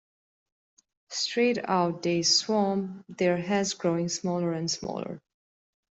Straight out they swam, their heads growing smaller and smaller.